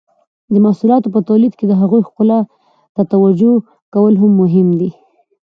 د محصولاتو په تولید کې د هغوی ښکلا ته توجو کول هم مهم دي.